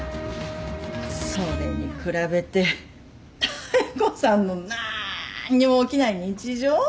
それに比べて妙子さんのなんにも起きない日常？